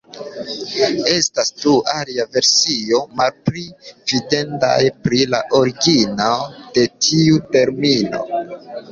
Estas du aliaj versioj, malpli fidindaj, pri la origino de tiu termino.